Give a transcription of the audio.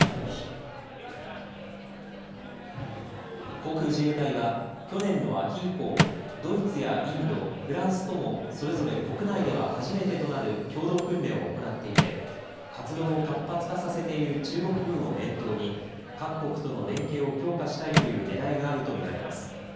航空自衛隊は、去年の秋以降ドイツやインド、フランスともそれぞれ国内では初めてとなる共同訓練を行っていて活動を活発化させている中国軍を念頭に各国との連携を強化したいというねらいがあると見られます。